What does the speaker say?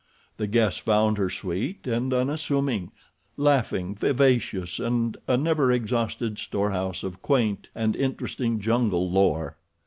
The guests found her sweet and unassuming, laughing, vivacious and a never exhausted storehouse of quaint and interesting jungle lore.